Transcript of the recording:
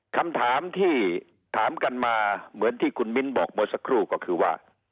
คำถามที่ถามกันมาเหมือนที่คุณมิ้นบอกเมื่อสักครู่ก็คือว่า